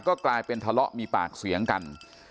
ก็กลายเป็นทะเลาะมีปากเสียงกัน